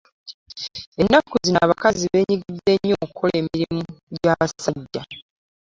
Ennaku zino abakazi benyiggide nnyo mu kukola emirimu gy'abasajja.